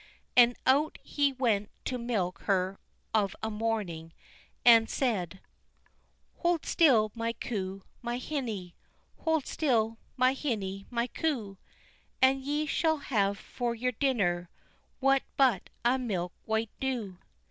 And out he went to milk her of a morning, and said: "Hold still, my coo, my hinny, Hold still, my hinny, my coo, And ye shall have for your dinner What but a milk white doo."